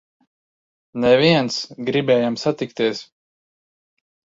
Neviens! Gribējām satikties!